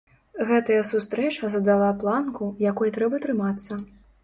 Гэтая сустрэча задала планку, якой трэба трымацца.